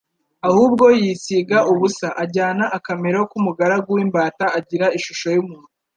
ahubwo yisiga ubusa, ajyana akamero k'umugaragu w'imbata agira ishusho y'umuntu."